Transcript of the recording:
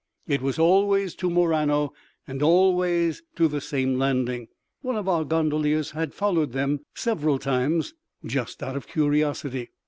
It was always to Murano, and always to the same landing—one of our gondoliers had followed them several times, just out of curiosity.